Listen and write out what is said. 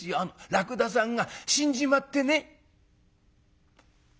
らくださんが死んじまってね」。